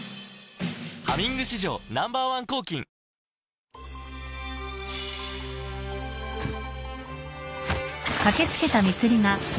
「ハミング」史上Ｎｏ．１抗菌ん？